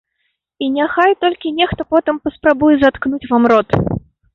І няхай толькі нехта потым паспрабуе заткнуць вам рот.